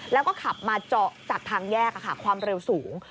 แล้วก็ขับมาเจาะจากทางแยกความเร็วสูง